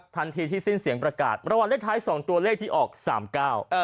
ทันทีที่สิ้นเสียงประกาศรางวัลเลขท้ายสองตัวเลขที่ออกสามเก้าเออ